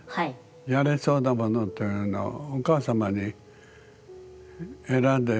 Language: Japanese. やれそうなものというのをお母様に選んでもらう。